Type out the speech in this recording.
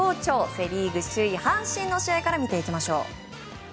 セ・リーグ首位、阪神の試合から見ていきましょう。